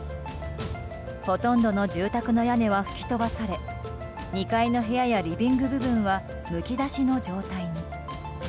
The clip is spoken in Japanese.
ほとんどの住宅の屋根は吹き飛ばされ２階の部屋やリビング部分はむき出しの状態に。